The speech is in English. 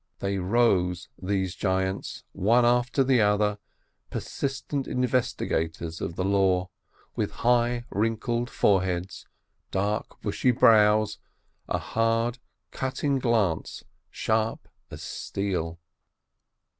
They rose, these giants, one after the other, persistent investi gators of the Law, with high, wrinkled foreheads, dark, bushy brows, a hard, cutting glance, sharp as steel.